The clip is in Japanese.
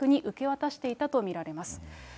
実行役に受け渡していたと見られます。